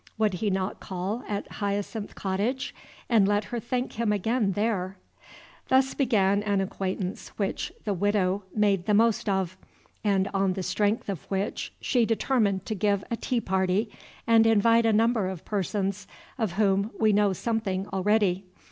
Would he not call at Hyacinth Cottage, and let her thank him again there? Thus began an acquaintance which the Widow made the most of, and on the strength of which she determined to give a tea party and invite a number of persons of whom we know something already.